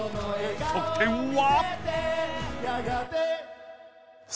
［得点は？］